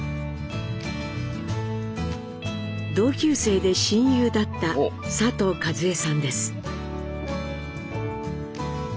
同級生で親友だった佐藤和恵さんです。